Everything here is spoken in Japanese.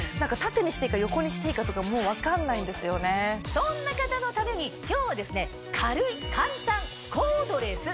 そんな方のために今日は。